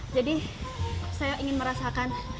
jadi saya ingin merasakan